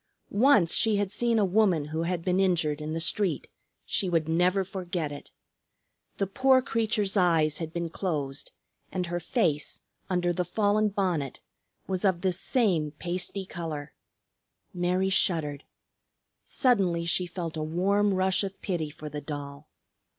Once she had seen a woman who had been injured in the street, she would never forget it. The poor creature's eyes had been closed, and her face, under the fallen bonnet, was of this same pasty color. Mary shuddered. Suddenly she felt a warm rush of pity for the doll.